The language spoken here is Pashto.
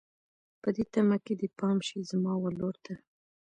په دې تمه که دې پام شي زما ولور ته